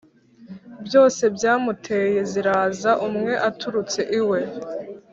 byose byamuteye ziraza, umwe aturutse iwe